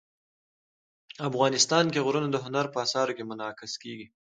افغانستان کې غرونه د هنر په اثار کې منعکس کېږي.